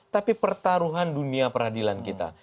tapi pertaruhan dunia peradilan kita